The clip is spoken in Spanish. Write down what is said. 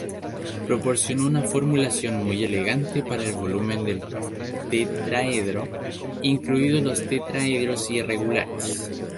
Proporcionó una formulación muy elegante para el volumen del tetraedro, incluidos los tetraedros irregulares.